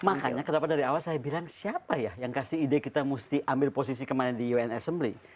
makanya kenapa dari awal saya bilang siapa ya yang kasih ide kita mesti ambil posisi kemarin di un assembly